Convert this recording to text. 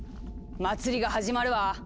祭りが始まるわ！